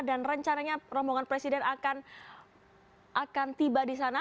dan rencananya rombongan presiden akan tiba di sana